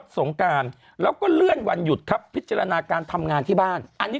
สงการแล้วก็เลื่อนวันหยุดครับพิจารณาการทำงานที่บ้านอันนี้